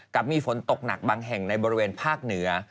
กับมีฝนตกหนักบางแห่งในบริเวณภาคเหนือ